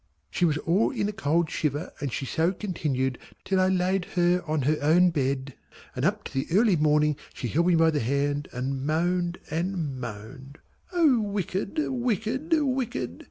She was all in a cold shiver and she so continued till I laid her on her own bed, and up to the early morning she held me by the hand and moaned and moaned "O wicked, wicked, wicked!"